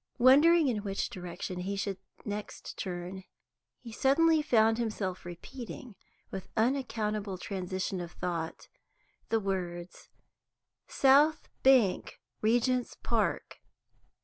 Wondering in which direction he should next turn, he suddenly found himself repeating, with unaccountable transition of thought, the words "South Bank, Regent's Park."